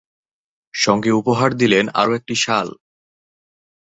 সঙ্গে উপহার দিলেন আরও একটি শাল।